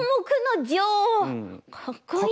かっこいいな。